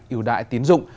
yêu đại tín dụng